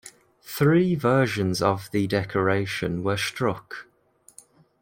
Three versions of the decoration were struck.